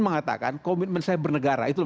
mengatakan komitmen saya bernegara itu